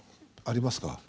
ありますか？